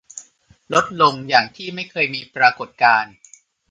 ลดลงอย่างที่ไม่เคยมีปรากฏการณ์